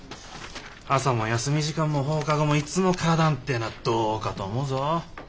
朝も休み時間も放課後もいつも花壇っていうのはどうかと思うぞ。